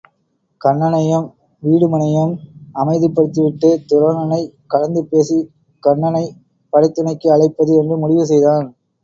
கன்னனையும் வீடுமனையும் அமைதிப்படுத்திவிட்டுத் துரோணனைக் கலந்து பேசிக் கண்ணனைப் படைத்துணைக்கு அழைப்பது என்று முடிவு செய்தான்.